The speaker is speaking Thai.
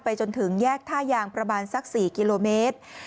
จนถึงแยกท่ายางประมาณสัก๔กิโลเมตร